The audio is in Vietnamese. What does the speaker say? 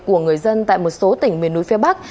của người dân tại một số tỉnh miền núi phía bắc